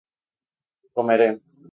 comeré